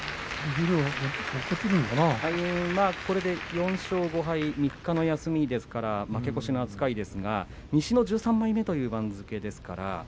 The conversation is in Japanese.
これで４勝５敗３日の休みですから負け越しの扱いですが西の１３枚目という番付です。